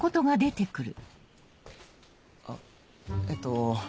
あっえっと